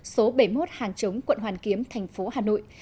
số bảy mươi một hàng chống quận hoàn kiếm thành phố hà nội